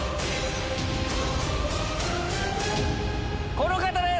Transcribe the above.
この方です！